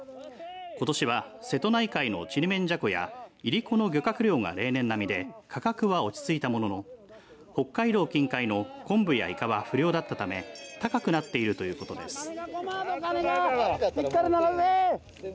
ことしは瀬戸内海のちりめんじゃこやいりこの漁獲量が例年並みで価格は落ち着いたものの北海道近海の昆布やイカは不漁だったため高くなっているということです。